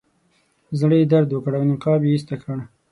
زړه یې درد وکړ او نقاب یې ایسته کړ.